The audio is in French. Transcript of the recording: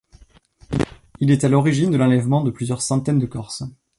Il est à l'origine de l'enlèvement de plusieurs centaines de Corses.